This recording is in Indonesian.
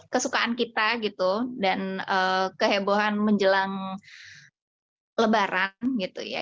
kesukaan kita gitu dan kehebohan menjelang lebaran gitu ya